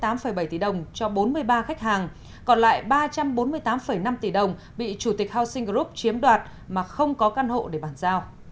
trong số tiền đã thu bà nga đã trả lại hơn hai mươi tám bảy tỷ đồng cho bốn mươi ba khách hàng còn lại ba trăm bốn mươi tám năm tỷ đồng bị chủ tịch housing group chiếm đoạt mà không có căn hộ để bàn giao